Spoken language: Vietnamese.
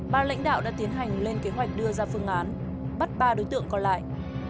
ba lãnh đạo đã tiến hành lên kế hoạch đưa ra phương án bắt ba đối tượng còn lại